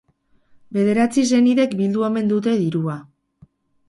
Bederatzi senidek bildu omen dute dirua.